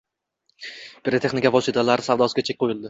Pirotexnika vositalari savdosiga chek qo‘yildi